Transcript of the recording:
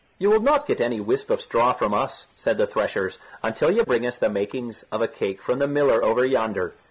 "You will not get any whisp of straw from us," said the threshers, "until you bring us the makings of a cake from the miller over yonder."